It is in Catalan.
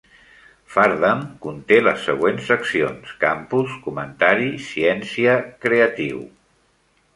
Fardam conté les següents seccions: Campus, Comentari, Ciència, Creatiu.